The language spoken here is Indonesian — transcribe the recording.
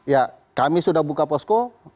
ya kami sudah buka posko